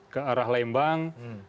ke arah lembang